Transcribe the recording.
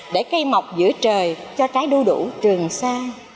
để cây mọc giữa trời cho trái đu đủ trường sa